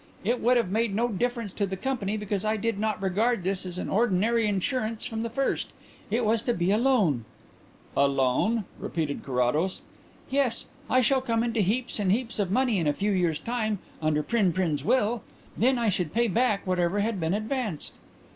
It would have made no difference to the company, because I did not regard this as an ordinary insurance from the first. It was to be a loan." "A loan?" repeated Carrados. "Yes. I shall come into heaps and heaps of money in a few years' time under Prin Prin's will. Then I should pay back whatever had been advanced."